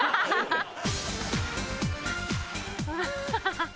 ハハハハ！